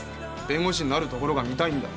弁護士になるところが見たいんだ。